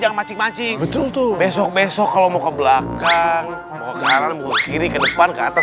jangan mancing mancing betul tuh besok besok kalau mau ke belakang ke kiri ke depan ke atas